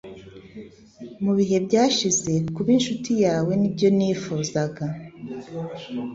mu bihe byashize Kuba inshuti yawe nibyo nifuzaga